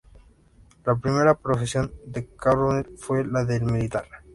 La primera profesión de Carbonell fue la de militar.